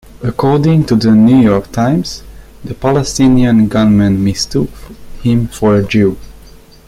According to the "New York Times", the "Palestinian gunman mistook him for a Jew.